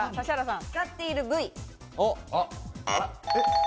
使っている部位。